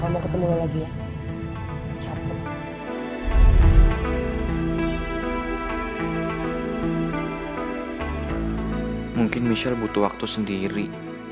mungkin michelle butuh waktu sendiri